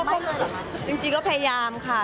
จริงก็พยายามค่ะ